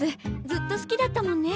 ずっと好きだったもんね